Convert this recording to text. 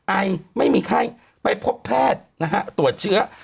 ไอไม่มีไข้ไปพบแพทย์นะฮะตรวจเชื้อ